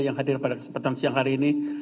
yang hadir pada kesempatan siang hari ini